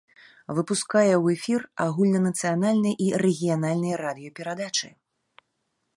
Выпускае ў эфір агульнанацыянальныя і рэгіянальныя радыёперадачы.